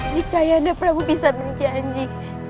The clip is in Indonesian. jika ayahanda perahu bisa berjanji